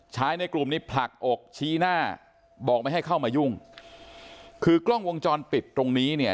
ในกลุ่มนี้ผลักอกชี้หน้าบอกไม่ให้เข้ามายุ่งคือกล้องวงจรปิดตรงนี้เนี่ย